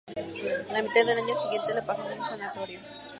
La mitad del año siguiente la pasa en un sanatorio.